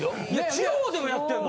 地方でもやってんの？